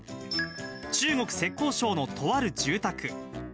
中国・浙江省のとある住宅。